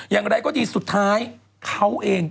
อย่างไรก็ดีสุดท้ายเขาเอง